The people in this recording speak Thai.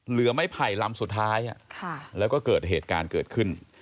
เหลือไม้ไผ่ลำสุดท้ายแล้วก็เกิดเหตุการณ์เกิดขึ้น